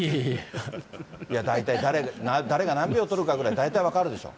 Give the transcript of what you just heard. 大体、誰が何票取るかくらい、大体分かるでしょう？